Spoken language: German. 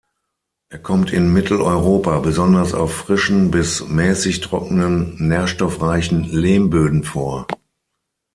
Er kommt in Mitteleuropa besonders auf frischen bis mäßig trockenen, nährstoffreichen Lehmböden vor.